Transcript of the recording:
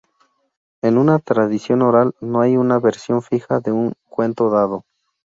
En una tradición oral, no hay una versión fija de un cuento dado.